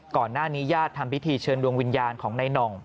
ก่อนหน้านี้ญาติทำพิธีเชิญดวงวิญญาณของในน่อง